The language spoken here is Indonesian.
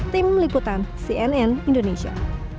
tim liputan cnn indonesia